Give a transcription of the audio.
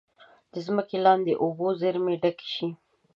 د ځمکې لاندې اوبو زیرمې ډکې شي.